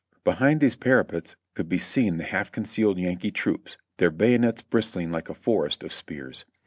Be hind these parapets could be seen the half concealed Yankee troops, their bayonets bristling like a forest of spears.